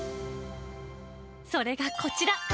それがこちら。